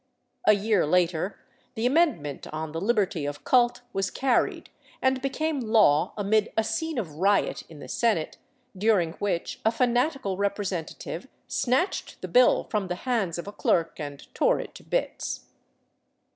A year later the amendment on the liberty of cult was carried and became law amid a scene of riot in the senate, during which a fanatical representative snatched the bill from the hands of a clerk and tore it to bits.